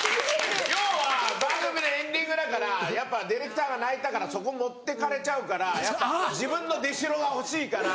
要は番組のエンディングだからやっぱディレクターが泣いたからそこ持ってかれちゃうから自分の出代が欲しいから。